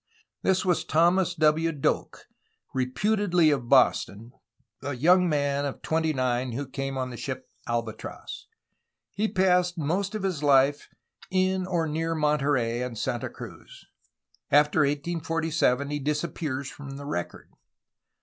This was Thomas W. Doak, reputedly of Boston, a young man of twenty nine, who came on the ship Albatross. He passed most of his life in or near Monterey and Santa Cruz. After 1847 he disappears from the record.